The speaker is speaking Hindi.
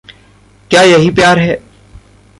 क्या यही प्यार है?